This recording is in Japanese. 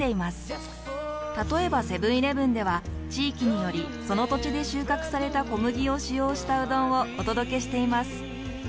例えばセブンーイレブンでは地域によりその土地で収穫された小麦を使用したうどんをお届けしています。